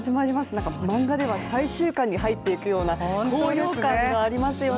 なんか漫画では最終巻に入っていくような高揚感がありますね。